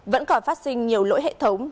vẫn còn phát sinh nhiều lỗi hệ thống